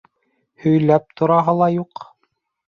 — Һөйләп тораһы ла юҡ.